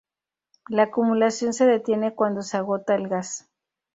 La acumulación se detiene cuando se agota el gas.